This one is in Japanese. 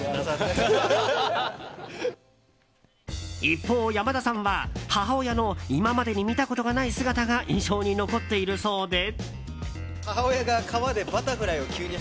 一方、山田さんは母親の今までに見たことがない姿が印象に残っているそうで。